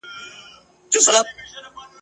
نه یې وېره د خالق نه د انسان وه ..